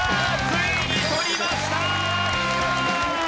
ついに取りました！